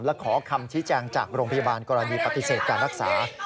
และขอคำชี้แจงจากโรงพยาบาลกรณีปฏิเสธการรักษา